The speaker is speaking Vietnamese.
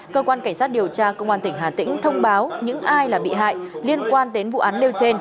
cơ quan cảnh sát điều tra công an tỉnh hà tĩnh thông báo những ai là bị hại liên quan đến vụ án nêu trên